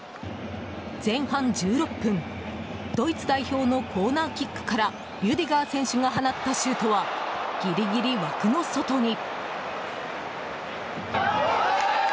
前半１６分、ドイツ代表のコーナーキックからリュディガー選手が放ったシュートはギリギリ、枠の外に。